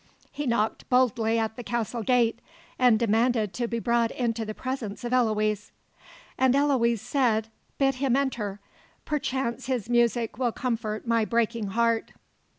He knocked boldly at the castle gate, and demanded to be brought into the presence of Eloise. And Eloise said: "Bid him enter; perchance his music will comfort my breaking heart."